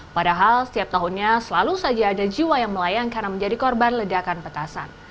padahal setiap tahunnya selalu saja ada jiwa yang melayang karena menjadi korban ledakan petasan